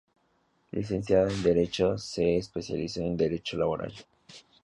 Licenciado en derecho, se especializó en derecho laboral.